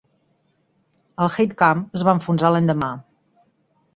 El "Heidkamp" es va enfonsar l'endemà.